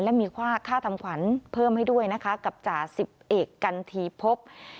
และมีค่าทำขวัญเพิ่มให้ด้วยนะคะกับจ่าสิบเอกกันทีพบ